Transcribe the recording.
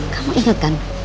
kamu inget kan